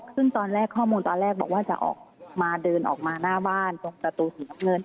ซึ่งตอนแรกข้อมูลตอนแรกบอกว่าจะออกมาเดินออกมาหน้าบ้านตรงประตูสีน้ำเงิน